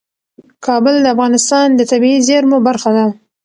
کابل د افغانستان د طبیعي زیرمو برخه ده.